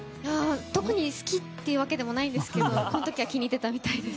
特に好きというわけでもないんですけどこの時は気に入っていたみたいです。